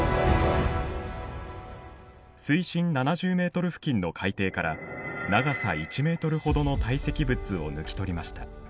水深７０メートル付近の海底から長さ１メートルほどの堆積物を抜き取りました。